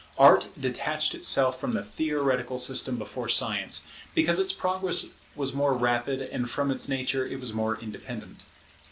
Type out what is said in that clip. Art detached itself from the theoretical system before Science, because its progress was more rapid, and from its nature it was more independent.